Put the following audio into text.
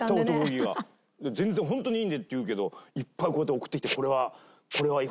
「全然ホントにいいんで」って言うけどいっぱいこうやって送ってきて「これは欲しいですか？」